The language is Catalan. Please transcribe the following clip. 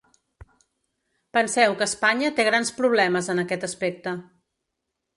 Penseu que Espanya té grans problemes en aquest aspecte.